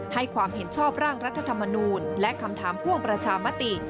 ให้ความเห็นชอบร่างรัฐธรรมนูลและคำถามพ่วงประชามติ